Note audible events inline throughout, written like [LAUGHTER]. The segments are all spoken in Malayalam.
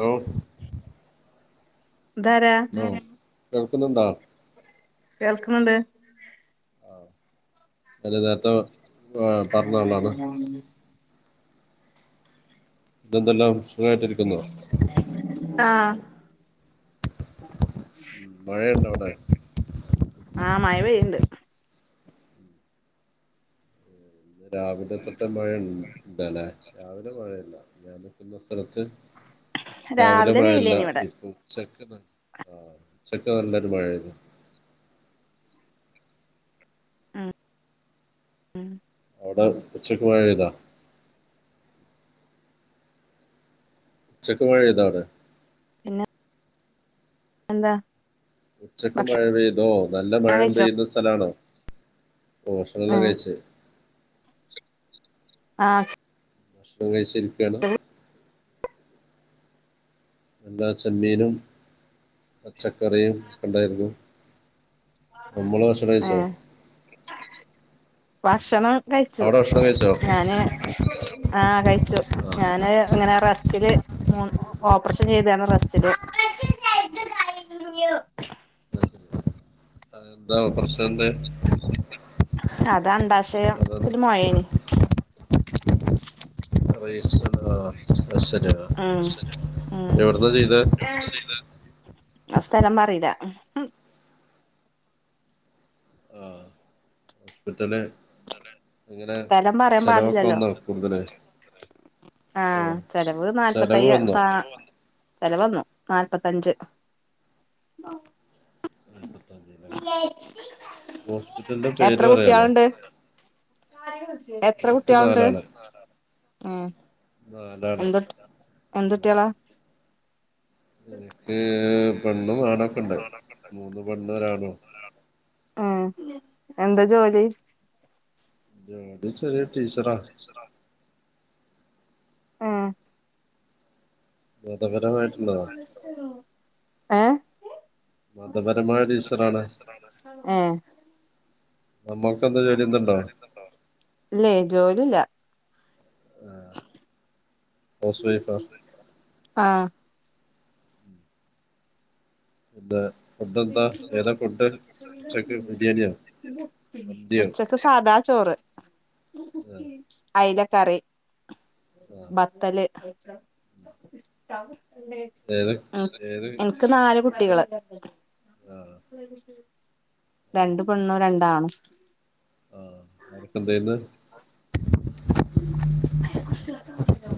ഓ താരാ കേൾക്കുന്നുണ്ടാ? കേൾക്കുന്നുണ്ട് അല്ല നേരത്തെ ഏഹ് പറഞ്ഞളാണ് ഇന്നെന്തെല്ലാം സുഖായിട്ടിരിക്കുന്നോ ആ മഴയുണ്ടോ അവിടെ ആഹ് മഴ പെയുണ്ട് രാവിലെ തൊട്ട് മഴ ഇണ്ടല്ലേ രാവിലെ മഴയില്ല ഞാൻ നിൽക്കുന്ന സ്ഥലത്ത് രാവിലെ മഴല്ല വെയിലേനി ഇവിടെ ഇ ഉച്ച ആ ഉച്ചക്ക് നല്ലൊരു മഴയരുന്നു ഉം ഉം വടെ ഉച്ചക്ക് മഴ പെയ്താ? ഉച്ചക്ക് മഴ പെയ്താ അവടെ പിന്നെ എന്താ ഉച്ചക്ക് മഴ ഭക്ഷണം പെയ്തോ? നല്ല മഴേം കഴിച്ചോ പെയ്യുന്ന സ്ഥലാണോ? പോഷണള്ള ആഹ് കഴ്ച്ചേ ആ ഭക്ഷണം കഴ്ച്ച് ഇരിക്ക്യാണ് എന്താ ചെമ്മീനും പച്ചക്കറിയും ഒക്കണ്ടായിരുന്നു. നമ്മള് ഭഷണയ്ച്ചോ? ഏഹ് ഭക്ഷണം കഴിച്ചു കഴിച്ചോ ഞാന് ആ കഴി ച്ചു. ഞാന് ങ്ങനെ റെസ്റ്റില് മ് ഓപ്പറേഷൻ ചെയ്താണ് റസ്റ്റില്. അ കഴഞ്ഞു എന്താ പ്രശ്നം എന്തായ്നു? അത് അണ്ഡാശയം ത്തില് മോഴേനി [UNINTELLIGIBLE] ആഹ ഉം എവിടുന്ന ചെയ്ത് [UNINTELLIGIBLE] ആ സ്ഥലം പറീല ആ ഹോസ്പിറ്റല്? എങ്ങനെ സ്ഥലം പറയാൻ ചെലവൊക്കെ പാടില്ലല്ലോ വന്നോ കൂടുതല് ആ ഓ ചെലവ് ചെലവ് നാല്പത്തയ്യ വന്നോ ന്താ ചെലവന്നു നാല്പത്തഞ്ച് നാല്പത്തഞ്ച് ല്ലേ? ഹോസ്പിറ്റലിന്റെ എത്ര പേര് പറയാലോ കുട്ട്യാള്ണ്ട് [UNINTELLIGIBLE] എത്ര കുട്ട്യോളുണ്ട്? നാലാള്. ഏഹ് നാലാള് എന്ത എന്തുട്ട്യാളാ? എനക്ക് പെണ്ണും ആണൊക്കെണ്ട്. മൂന്ന് പെണ്ണു ഒരാണും [UNINTELLIGIBLE] [UNINTELLIGIBLE] എന്താ ജോലി? ഞാന് ചെറ്യ ടീച്ചറാ ഏ മതപരമായിട്ടുള്ളതാ [INAUDIBLE] ഏഹ്? മതപരമായ ടീച്ചറാണ് [INAUDIBLE] ഏഹ് നമ്മൾക്ക് എന്താ ജോലി ഇങ്ങക്ക് ന്ത്‌ എന്തുണ്ടോ പരിപാടി എന്തേണ്ടോ? ഇല്ലേ ജോലില്ല. ആ ഹൗസ് വൈഫാ? ആഹ് എന്താ? ഫുഡ് എന്താ? ഏതാ ഫുഡ്? [UNINTELLIGIBLE] ഉച്ചക്ക് ബിരിയാണിയോ ഉച്ചക്ക്? [INAUDIBLE] മന്തിയോ ഉച്ചക്ക് സാദാ ചോറ്. ആ അയ്ലക്കറി. ബത്തല് [UNINTELLIGIBLE] ഏത് ഉം ഏത് എൻക്ക് നാല് ഫുഡ് കുട്ടികള് ആ ആര്- രണ്ട് പെണ്ണും ആർക്ക്- രണ്ടാണും ആ അവരൊക്കെ എന്താ ചെയിന്നേ? [INAUDIBLE] ചെയ്യുന്നേ?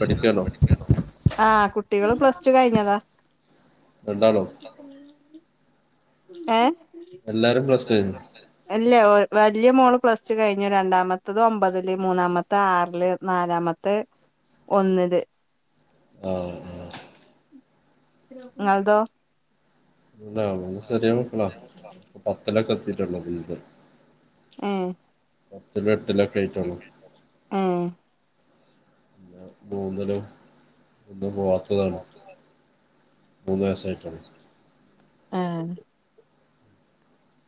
പഠിക്കുകയാണോ പഠിക്കാണോ? ആ കുട്ടികള് പ്ലസ് ടു കഴിഞ്ഞതാ. രണ്ടാളോ മ ഏ എല്ലാരേം [UNINTELLIGIBLE] ഇല്ല ഒ വലിയ മോള് പ്ലസ് ടു കഴിഞ്ഞു രണ്ടാമത്തത് ഒമ്പതില് മൂന്നാമത്തെ ആറില് നാലാമ [UNINTELLIGIBLE] ഒന്നില്. ആഹ് ആ നിങ്ങളതൊ ഇല്ല [UNINTELLIGIBLE] ചെറിയ മക്കളാ പത്തിലൊക്കെ എത്തിട്ടുള്ളോ [UNINTELLIGIBLE] ഏഹ് ആയിട്ടുള്ളൂ [UNINTELLIGIBLE] ഏഹ് [UNINTELLIGIBLE] മൂന്നിലും ഒന്നും പോവാത്തതാണ് മൂന്ന് വയസായിട്ടാണ് ആഹ്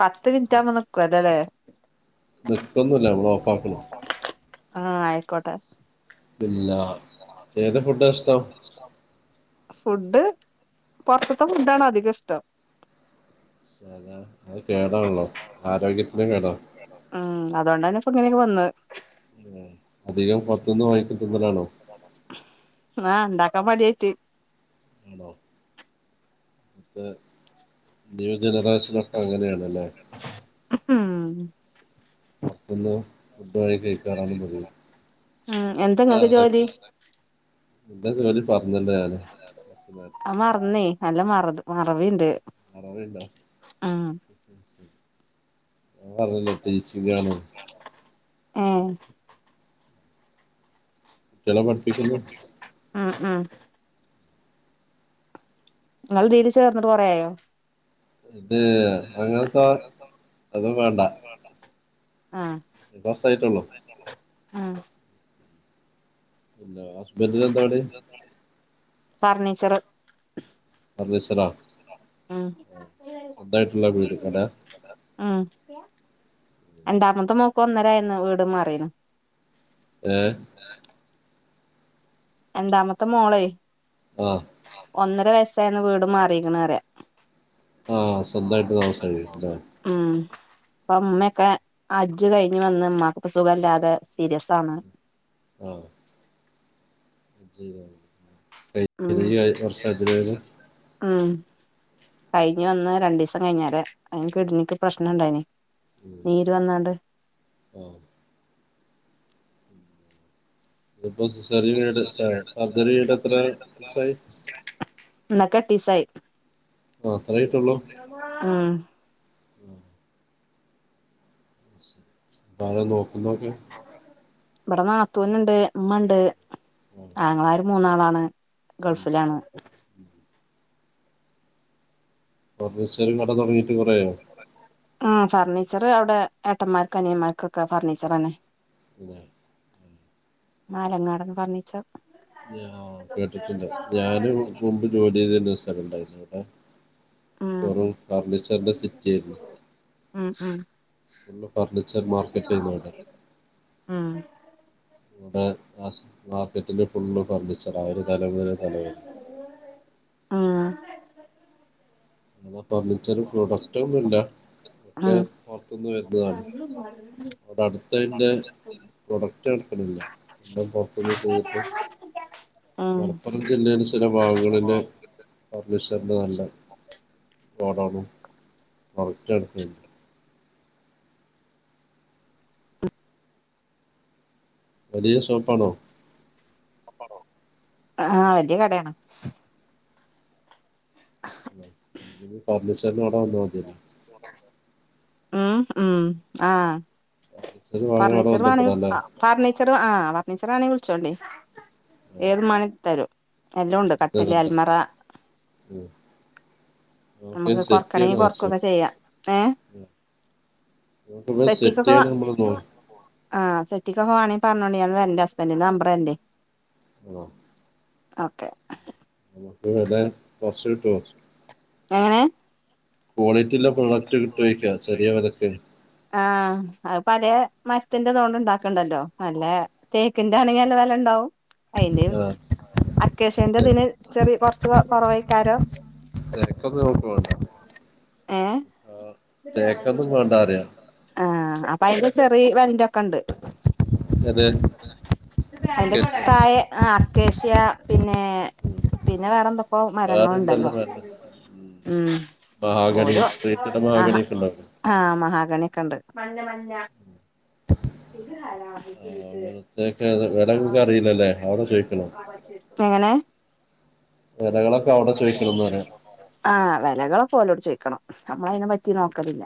പത്ത് മിനിറ്റാകുമ്പോ നിക്കുവല്ലോ അല്ലേ നിക്കൊന്നുല്ല നമ്മള് ഓഫാക്കണം ആഹ് ആയിക്കോട്ടെ ഇല്ല. ഏത് ഫുഡാ ഇഷ്ടം ഫുഡ് പൊറത്തത്തെ ഫുഡ് ആണ് അധികം ഇഷ്ടം [UNINTELLIGIBLE] അത് കേടാണല്ലോ ആരോഗ്യത്തിന കേടാ അതൊണ്ടാണ് ഇപ്പ ഇങ്ങനെയൊക്കെ വന്നെ ഉം. അധികം പുറത്തുനിന്ന് വാങ്ങിക്ക തിന്നലാണോ [UNINTELLIGIBLE] [UNINTELLIGIBLE] മടിയായിട്ട് ആണോ [UNINTELLIGIBLE] ജനറേശനൊക്കെ അങ്ങനെയാണല്ലേ ആഹ് പുറത്തുന്ന് ഫുഡ് വാങ്ങി കഴിക്കാറാണ് പതിവ്. ഉം, ഇല്ല എന്തങ്ങക്ക് ജോലി? അതൊക്കെ നിന്റെ ജോലി പറഞ്ഞല്ലോ ഞാന് [UNINTELLIGIBLE] കുറച്ച് നേരത്തെ അത് മറന്നേ നല്ല മറത് മറവിണ്ട് മറവീണ്ടോ ഉം [UNINTELLIGIBLE] ഞാൻ പറഞ്ഞില്ലേ ടീച്ചിങ്ങാണ് ഏഹ് കുട്ട്യാളെ പടിപ്പിക്കുന്നു ആ ആ നിങ്ങൾ ഇതീല് ചേർന്നിട്ട് കൊറേയായോ ഇത് അങ്ങനത്തെ അതും വേണ്ട ആഹ് കുറച്ചായിട്ടുള്ളൂ [UNINTELLIGIBLE] ആഹ് ഇല്ല ഹസ്ബൻഡിന് എന്താ പണി ഫർണിച്ചറ് ഫർണിച്ചറാ ഏഹ് [UNINTELLIGIBLE] ആഹ് രണ്ടാമത്തെ മോക്ക് ഒന്നരായന്നു വീട് മാറിയേണ്. രണ്ടാമത്തെ മോളെ ആഹ് ഒന്നര വയസ്സായിന്ന് വീട് മാറിയിക്കണേന്ന് പറയാ ആഹ് സ്വന്തായിട്ട് താമസായി അല്ലേ അപ്പൊ ഉമ്മയൊക്കെ ഹജ്ജ് കഴിഞ്ഞ് വന്ന് ഉമ്മാക്ക് ഇപ്പൊ സുഖല്ലാതെ സീരിയസ്‌ ആണ് ആഹ് ഉം ശെരിയാണ് [UNINTELLIGIBLE] കൊർച്ചതി [UNINTELLIGIBLE] ഉം കയ്ഞ്ഞ് വന്ന് രണ്ടിസം കയ്ഞാരെ അയ്ന് കിഡ്‌നിക്ക് പ്രശ്നണ്ടായ്ന് ഉം. ന്നീര് വന്നാണ്ട് ആ ഇതിപ്പോ സിസേറിയൻ കഴിഞ്ഞിട്ട് സ സർജറി കഴിഞ്ഞിട്ട് എത്ര ദിവസായി ഇന്നേക്ക് എട്ടീസായി ആ അത്ര ആയിട്ടുള്ളൂ ഉം ശരി. ആരാ ന്നോക്കുന്നൊക്കെ. ഇപടെ നാത്തൂന്ണ്ട് ഉമ്മണ്ട് ആ, ആങ്ങളാര് മൂന്നാളാണ്. ഉം, ഗൾഫിലാണ് ഉം. അപ്പൊ ബിസൈൽ കട തൊടങ്ങിട്ട് കൊറെആയോ ആ ഫർണിച്ചറ് അവടെ ഏട്ടന്മാര്ക്ക് അനിയമാര്ക്കൊക്കെ ഫർണിച്ചറനെ ഇല്ല. മാലങ്ങാടൻ ഫർണിച്ചർ ഞ ഓ കേട്ടിട്ട്ണ്ട് ഞാനു മുമ്പ് ജോലി ചെയ്തിരുന്നൊരു സ്ഥലംണ്ടായ്രുന്നുട്ടാ ഉം പെറും ഫർണിച്ചർന്റെ സിറ്റിആയിരുന്നു. ഉം ഉം ഫുള്ള് ഫർണിച്ചർ മാർക്കറ്റആയിരുന്നു അവിടെ ഉം ആ അസ് മാർക്കറ്റില്ഫുള്ളും ഫുർണിച്ചറാ ഒരു തല ഇങ്ങനെ തല വരെ. സു ഫർണിച്ചറും പ്രോഡക്റ്റൊന്നുല്ല ഉം ഒക്കെ ഉം പൊറത്ത്ന്ന് വരുന്നതാണ്. അവടെ അടുത്തയ്ന്റെ പ്രൊഡക്റ്റെടുക്കലില്ല ഒക്കെ പൊറ്ത്ത്ന്ന് ചെയ്തിട്ട് ഉം മലപ്പുറം ജില്ലയ്ല് ചില വാവുകളിലെ ഫർണിഷർന് വേണ്ട തൊടർന്നു [UNINTELLIGIBLE] വലിയ ഷോപ്പാണോ ആണോ അ ആ വലിയ കടയാണ് ഇനി ഫർണിഷർന് അവടെ വന്നാമതിയല്ലോ. ഉം ഉം ആഹ് ഫർണിച്ചർ വാങ്ങാൻ അവിടെ ഫർണിച്ചർവാണങ്ങി ബന്ധപ്പെടാല്ലേ അ ഫർണിച്ചറ് വ ആ ഫർണീച്ചറാണെങ്ങി വിളിച്ചോണ്ടി ആ ഏത് മാണേം തരും എല്ലൊഉണ്ട് കട്ടില് ഇതല്ലേ അൽമറ ഉം. നമുക്ക് ന്നമുക്ക് സെറ്റ് കൊർക്കണെങ്കി ചെയ്യണം ആവശ്യം കൊർക്കൊക്കെ ചെയ്യാ ഏ ഉം. നമുക്കിപ്പോ സെറ്റ് സെറ്റിക്കൊക്കെ വ ചെയ്യാൻ നമ്മൾ നോക്കാം ആഹ സെറ്റിക്കൊക്കെ വാണേ പർഞ്ഞോണ്ടി അത് തെര്ന്റ് ഹസ്ബെന്റിന്റെ നമ്പറെന്റെയ് ഇങ്ങോ ഓക്കെ ഹ് ഇപ്പോ ഇവടെ ബസ്സ്ക്ട്ടോ എങ്ങനെ ക്വാളിറ്റിള്ള പ്രൊഡക്റ്റ് കിട്ടോയ്ക്കാ ചെറിയവെലക്ക്. ആഹ് അത് പലേ മരത്തിന്റെതോണ്ട് ണ്ടാക്ക്‌ണ്ടല്ലോ ന്നല്ല തേക്കിന്റെ ആണെങ്കി ന്നല്ല വെലണ്ടാവും. അയ്ല് ആ അക്കേഷന്റെതിന് ചെറിയ കൊറച്ച് കൊറവെയ്ക്കാരോം ഏ [UNINTELLIGIBLE] ആ തേക്കൊന്നും വേണ്ടാറിയാ ആഹ അപ്പയ്ന്റെ ചെറേ വെൽന്റൊക്കണ്ട്. അത് ഒകെ അയ്ന്റെ അക്കേഷ്യ ഉം തായെ ആ അക്കേഷ്യാ പിന്നെ പിന്നെ വേറെന്തൊക്കൊ വേറെ മരങ്ങളുണ്ടല്ലോ എന്തെല്ലാം മരം ഉം മഹാഗണി ഓരോ വീട്ടിലെ അ ഹാ മഹാഗണിയൊക്കെ ഉണ്ടാവില്ലേ ആ മഹാഗണിഅക്കണ്ട് ഇത് ആരാ പിത്ത് ആഹ് പിത്ത് അങ്ങനത്തെയൊക്കെ വില നിങ്ങക്ക് അറിയില്ലല്ലേ അവിടെ ചോദിക്കണം [UNINTELLIGIBLE] എങ്ങനെ? വിലകളൊക്കെ അവിടെ ചോദിക്കണംന്ന് പറയാ ആ വെലകളൊക്കെ ഓലോട് ചോയ്ക്ക്‌. ക്കണം നമ്മളയ്നെ പറ്റി നോക്കലില്ല.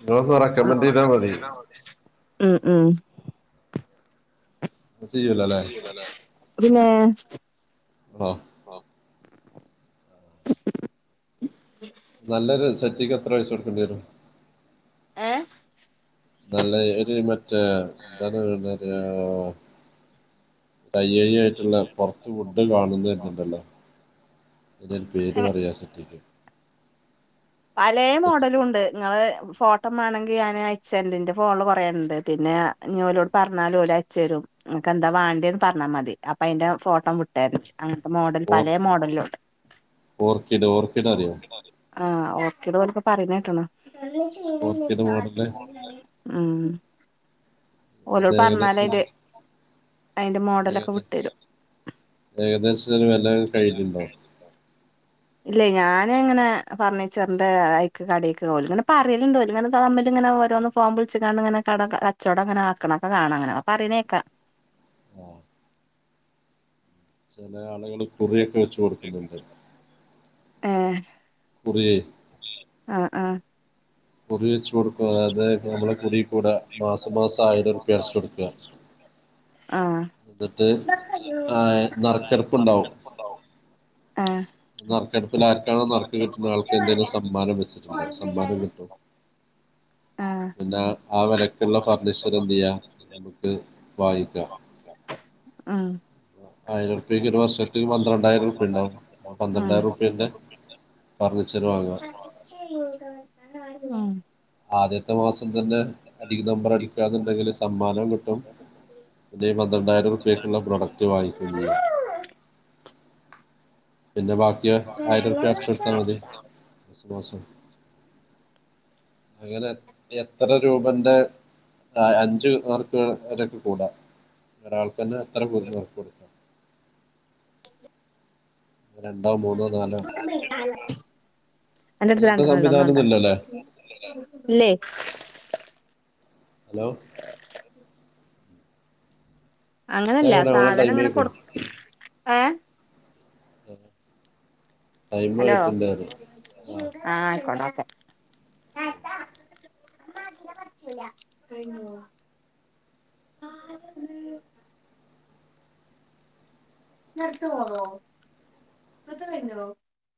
ഇങ്ങളൊന്ന് റെക്കമെന്റെയ്താ മതി. മ്മ് അത് ചെയ്യൂലല്ലേ പിന്നേ ആ ആ [UNINTELLIGIBLE] ണ്ടെരും ഏ.. നല്ലേ ഒരു മറ്റേന്ത [UNINTELLIGIBLE] കയ്യോയിയായിട്ടുള്ള പൊറത്ത് ഫുഡ് കാണുന്ന് വെരിന്ഇണ്ടല്ലോ? ഇയ് പേര് പറെയ് ഞാൻ [UNINTELLIGIBLE] പലേ മോഡലും ഉണ്ട് നിങ്ങള് ഫോട്ടോ മാണെങ്കിൽ ഞാൻ അയചേരണ്ട് ഇന്റെ ഫോണില് കൊറേണ്ട് പിന്നെ ഞ്ഞി ഓലോഡ് പറഞ്ഞാലു ഓല് അ ചെരും അനക്കെന്താ വാണ്ടേന്ന് പറഞ്ഞാൽ മതി അപ്പൊ അയിന്റെ ഫോട്ടോ വിട്ടെരും. അങ്ങൻത്തെ മോഡൽ പലേ ഓർക്കി മോഡലിലുണ്ട് ഓർക്കിഡ് ഓർക്കിഡ് അറിയോ ആഹ് ഓക്കേട ഓലൊക്കെ പറയ്ണ കേട്ട്ണ്. ഓർക്കിഡ് മോഡല് മം ഇത് ഓലോഡ് ഏകദേശം പറഞ്ഞാലയ്ല്. ഏകദേ ഏകദേശത്തിന് വെല കഴിഞ്ഞി ണ്ടോ? ഇല്ലേയ് ഞാന് ഇങ്ങനെ ഫർണിച്ചറിന്റെ അയ്ക്ക് കടീക്ക് ഓല് ഇങ്ങനെ പറയല് ണ്ട് ഇങ്ങനെ തമ്മി ഇങ്ങനെ ഓരോന്ന് ഫോൺച്ച്ക്കാണ്ട് ഇങ്ങനെ കട കച്ചോടം ഇങ്ങനെ ആക്ണക്കാണ അങ്ങനെ അപ്പൊ പറയാനാ കേക്ക ആ ചെലേ ആളുകള് കുറിയൊക്കെ വെച് കൊടുക്കുന്നുണ്ട്. ഏഹ് കുറീ ആ ആ കുറിയെച്ചു കൊടുക്ക അതായത് നമ്മൾ കുറി കൂട മാസം മാസം ആയിരപ്പ്യ അടച്ച് കൊടുക്ക. ആ ന്നിട്ട് ആ നറുക്കെടുപ്പ്ണ്ടാവും. ആ നറുക്കെടുപ്പിൽ ആർക്കാണോ നറുക്ക് കിട്ടുണെ ആൾക്ക് എന്തേലും സമ്മാനം വെച്ചിട്ടുണ്ടാവും സമ്മാനം കിട്ടും. ആ പിന്നാ ആ വെലക്കുള്ള ഫർണിച്ചർ എന്തേയ്യ ചെയ്യാ നമുക്ക് വായിക്കാം. ഉം ആയിരർപ്യക്ക് ഒരു വർഷത്ത് പന്ത്രണ്ടായിരം റുപ്പ്യഇണ്ടാവും. ഉം പന്ത്രണ്ടായിരം റുപ്യെന്റെ ഫർണിച്ചർ വാങ്ങ. [INAUDIBLE] ആദ്യത്തെ മാസം തന്നെ അടി നമ്പർ അടിക്കന്നുണ്ടെങ്കിൽ സമ്മാനോം കിട്ടും. ഇതേ പന്ത്രണ്ടായിരം ഉറുപ്പേക്കുള്ള പ്രൊഡക്റ്റ് വാങ്ങിക്കു ചെയ്യാം. പിന്നെ ബാക്കി ആയിരംറുപ്യ അടച്ച് കൊട്ത്താ മതി അങ്ങനെയെത്ര രൂപന്റെ ആ അഞ്ച് മാർക്ക് ഒരാക് കൂടാ ഒ ഒരാൾക്കെന്നെ എത്രർക്ക് കൊടുക്കാം [INAUDIBLE] രണ്ടോ മൂന്നോ നാലോ [INAUDIBLE] അന്റെടുത്ത് അങ്ങനത്തെ രണ്ടർണംല്ലേ സംവിധാനം ഒന്നും ഒന്നൊണ്ടാ ഇല്ലല്ലേ ഇല്ലേയ് ഹലോ അങ്ങനല്ല അതായത് നമ്മളെ സാധനം ടൈം ഇങ്ങനെ ആയിക്കോ കൊടു ഏ ടൈമ് ഹലോ കഴിഞ്ഞിട്ടുണ്ട് റ ആ [INAUDIBLE] [INAUDIBLE] ആരാത് ഞട്ത്തെ പോണോ അത് കയ്ഞ്ഞോ